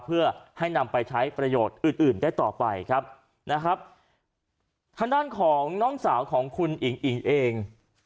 เพื่อให้นำไปใช้ประโยชน์อื่นอื่นได้ต่อไปครับนะครับทางด้านของน้องสาวของคุณอิ๋งอิ๋งเอง